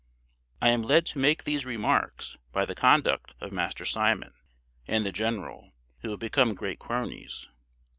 I am led to make these remarks by the conduct of Master Simon and the general, who have become great cronies.